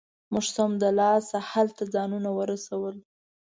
موږ سمدلاسه هلته ځانونه ورسول.